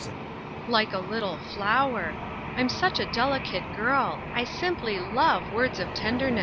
Like a little flower. I'm such a delicate girl; I simply love words of tenderness.